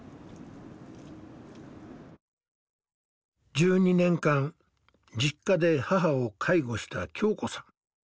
１２年間は実家で母を介護した恭子さん。